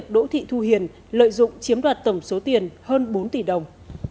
đỗ thị thu hiền lợi dụng chiếm đoạt tổng số tiền hơn bốn tỷ đồng